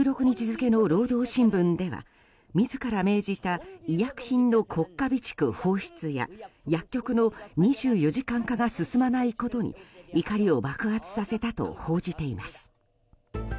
付の労働新聞では自ら命じた医薬品の国家備蓄放出や薬局の２４時間化が進まないことに怒りを爆発させたと報じています。